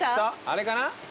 あれかな？